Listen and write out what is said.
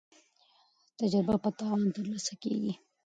تجربه په تاوان ترلاسه کیږي.